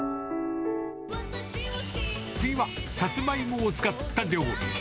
次はサツマイモを使った料理。